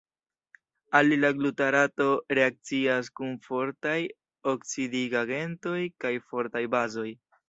Alila glutarato reakcias kun fortaj oksidigagentoj kaj fortaj bazoj.